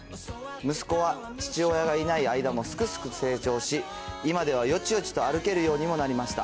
息子は父親がいない間もすくすく成長し、今ではよちよちと歩けるようにもなりました。